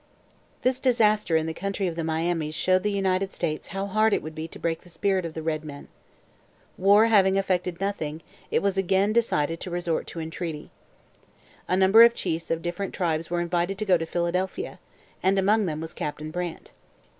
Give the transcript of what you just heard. This disaster in the country of the Miamis showed the United States how hard it would be to break the spirit of the red men. War having effected nothing, it was again decided to resort to entreaty. A number of chiefs of different tribes were invited to go to Philadelphia, and among them was Captain Brant.